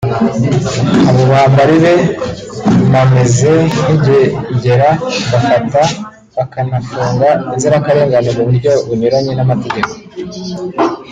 abo bambari be mameze nk’ingegera bafata bakanafunga inzirakarengane mu buryo bunyuranye n’amategeko